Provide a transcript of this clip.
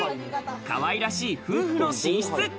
可愛らしい夫婦の寝室。